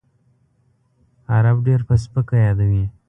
عرب ډېر په سپکه یادوي.